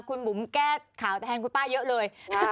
คุณบุ๋มแก้ข่าวแทนคุณป้าเยอะเลย